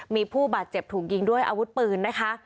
มีผู้บาดเจ็บถูกยิงด้วยอาวุธปืนนะคะ